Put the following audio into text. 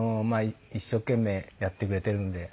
一生懸命やってくれているので。